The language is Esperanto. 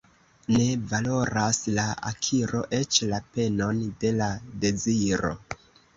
Ne valoras la akiro eĉ la penon de la deziro.